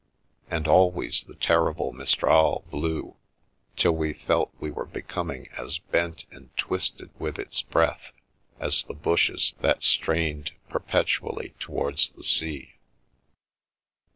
And always the terrible mistral blew, till we felt we were becoming as bent and twisted with its breath as the bushes that strained per petually towards the sea.